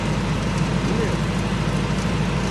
Zwiremt.